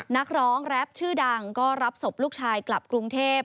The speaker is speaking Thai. นักร้องแรปชื่อดังก็รับศพลูกชายกลับกรุงเทพ